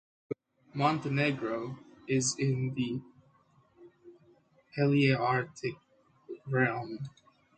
Montenegro is in the Palearctic realm.